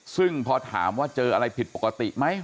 ซึ่งพอถามว่าเจออะไรผิดปกติไหม